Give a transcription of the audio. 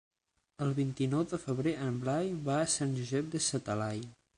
El vint-i-nou de febrer en Blai va a Sant Josep de sa Talaia.